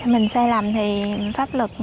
mình sai lầm thì pháp lực